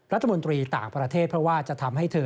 รัฐมนตรีต่างประเทศเพราะว่าจะทำให้เธอ